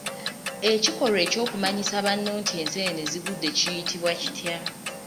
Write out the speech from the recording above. Ekikolwa ky’okumanyisa banno nti enseenene zigudde kiyitibwa kitya?